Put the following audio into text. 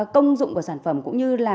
công dụng của sản phẩm cũng như là